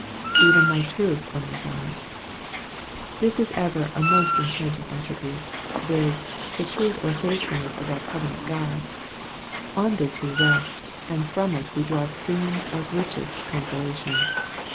''Even thy truth, 0 my Ood.''^ This is ever a most enchanting attribute— viz.. the truth or faithfulness of our covenant God. On this we rest, and from it we draw streams of richest consolation.